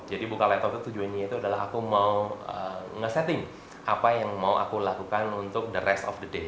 jadi buka laptop itu tujuannya adalah aku mau nge setting apa yang mau aku lakukan untuk the rest of the day